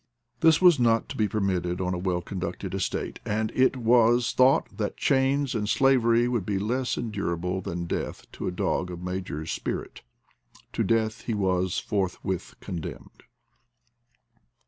This was not to be permitted on a well conducted estate; and as it was thought that chains and slavery would be less endurable than death to a dog of Major's spirit, to death he was forthwith condemned.